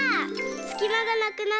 すきまがなくなったよ！